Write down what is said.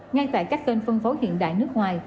ngay tại các kênh phân phối hiện đại nước ngoài